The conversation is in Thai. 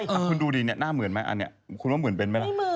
คุณดูดิเนี่ยหน้าเหมือนไหมอันนี้คุณว่าเหมือนเป็นไหมล่ะ